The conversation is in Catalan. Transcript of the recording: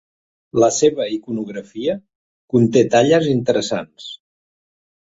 La seva iconografia conté talles interessants.